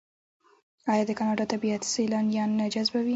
آیا د کاناډا طبیعت سیلانیان نه جذبوي؟